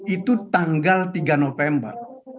itu tanggal tiga november